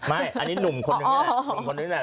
อันนี้หนุ่มคนนึงนี่แหละ